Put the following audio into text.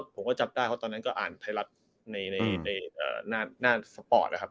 ผมก็จับได้เพราะตอนนั้นก็อ่านไทยรัฐในหน้าสปอร์ตนะครับ